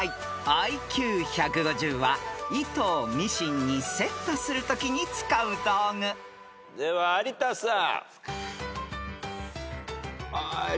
［ＩＱ１５０は糸をミシンにセットするときに使う道具］では有田さん。